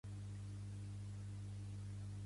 La pròpia Saaftinge mai ha estat recuperada.